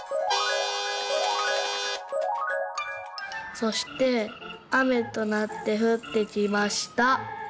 「そしてあめとなってふってきました。